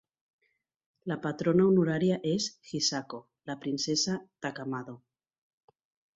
La patrona honorària és Hisako, la Princesa Takamado.